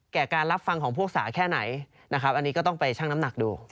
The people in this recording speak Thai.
แก่การรับฟังของพวกสาแค่ไหนนะครับอันนี้ก็ต้องไปชั่งน้ำหนักดู